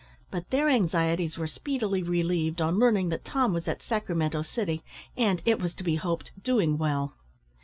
But their anxieties were speedily relieved on learning that Tom was at Sacramento City, and, it was to be hoped, doing well.